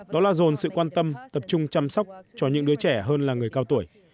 đó là dồn sự quan tâm tập trung chăm sóc cho những đứa trẻ hơn là người cao tuổi